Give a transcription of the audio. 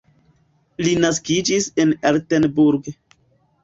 Li naskiĝis en Altenburg.